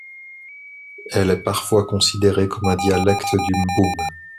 Elle est parfois considérée comme un dialecte du mboum.